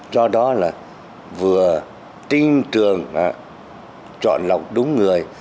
do đó là vừa tinh trường chọn lọc đúng người